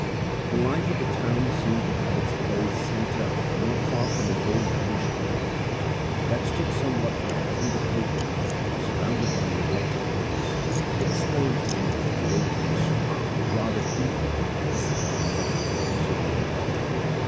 The life of the town seemed to have its very centre not far from an old mansion, that stood somewhat back from the pavement, surrounded by neglected grass, with a strange air of loneliness, rather deepened than dispelled by the throng so near it.